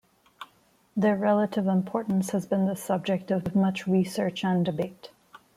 Their relative importance has been the subject of much research and debate.